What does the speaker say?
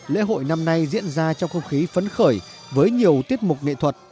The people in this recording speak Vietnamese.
lễ hội năm nay diễn ra trong không khí phấn khởi với nhiều tiết mục nghệ thuật